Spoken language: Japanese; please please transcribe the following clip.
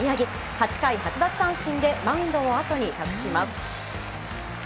８回８奪三振でマウンドをあとに託します。